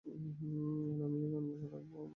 আর আমি এখানে বসে থাকব, আমার গোপন পরিচয় বহাল রেখে।